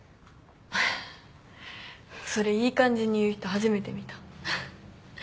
それいい感じに言う人初めて見た。